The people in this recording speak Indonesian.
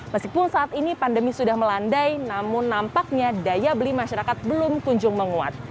meskipun saat ini pandemi sudah melandai namun nampaknya daya beli masyarakat belum kunjung menguat